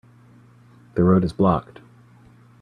The road is blocked.